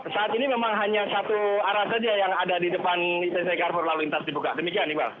saat ini memang hanya satu arah saja yang ada di depan itc carfor lalu lintas dibuka demikian iqbal